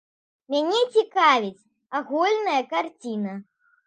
Мяне цікавіць агульная карціна.